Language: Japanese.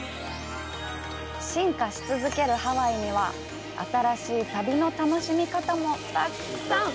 進化し続けるハワイには新しい旅の楽しみ方もたくさん。